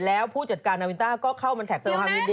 แล้วผู้จัดการนาวินต้าก็เข้ามาแท็กแสดงความยินดี